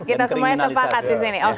kita semuanya sepakat disini